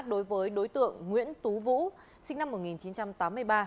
đối với đối tượng nguyễn tú vũ sinh năm một nghìn chín trăm tám mươi ba